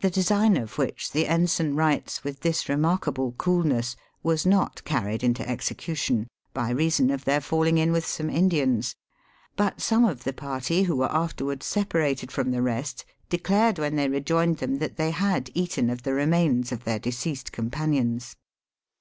The design of which the ensign writes with , this remarkable coolness, was not carried into execution, by reason of their falling in with some Indians ; but, some of the party who were afterwards separated from the rest, declared when they rejoined them, that they had eaten of the remains of their deceased companions.